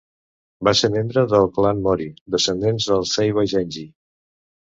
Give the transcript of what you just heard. Va ser membre del clan Mori, descendents dels Seiwa Genji.